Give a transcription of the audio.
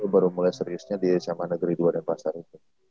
baru mulai seriusnya di sma negeri dua denpasar itu